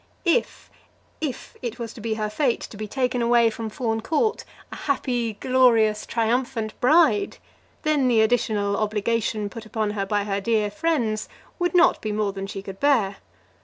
If if it was to be her fate to be taken away from Fawn Court a happy, glorious, triumphant bride, then the additional obligation put upon her by her dear friends would not be more than she could bear.